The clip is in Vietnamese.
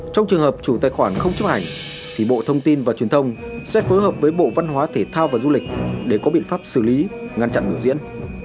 trong trường hợp chủ tài khoản không chấp hành thì bộ thông tin và truyền thông sẽ phối hợp với bộ văn hóa thể thao và du lịch để có biện pháp xử lý ngăn chặn biểu diễn